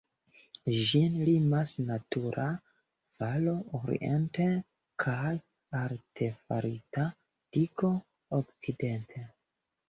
Ĝin limas natura valo oriente kaj artefarita digo okcidente.